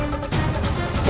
aku akan menangkapmu